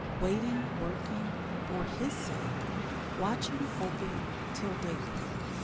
Waiting, working, For His sake; Watching, hoping, Till daybreak.